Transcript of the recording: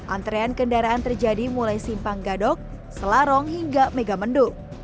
antrean kendaraan terjadi mulai simpang gadok selarong hingga megamendung